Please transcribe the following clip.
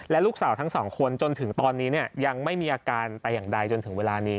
ลูกสาวทั้งสองคนจนถึงตอนนี้ยังไม่มีอาการแต่อย่างใดจนถึงเวลานี้